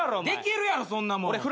できるやろそんなもん。